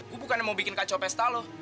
gue bukan yang mau bikin kacau pesta loh